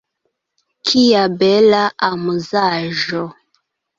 Kia bela amuzaĵo!